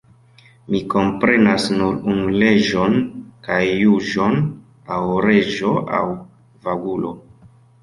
Mi komprenas nur unu leĝon kaj juĝon: aŭ reĝo aŭ vagulo!